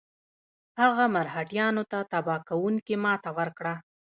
هغه مرهټیانو ته تباه کوونکې ماته ورکړه.